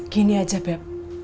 gini aja beb